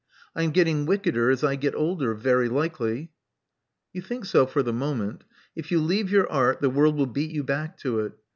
I am getting wickeder as I get older, very likely." You think so for the moment. If you leave your art, the world will beat you back to it.